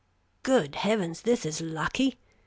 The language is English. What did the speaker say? "Good heavens, this is lucky!"